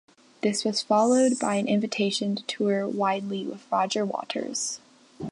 This was followed by an invitation to tour widely with Roger Waters.